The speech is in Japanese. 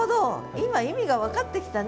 今意味が分かってきたね。